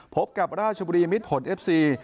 พบกับราชบุรีมิดผลเอฟซี